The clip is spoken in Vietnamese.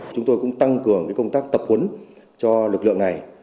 chúng tôi cũng tăng cường công tác tập huấn cho lực lượng này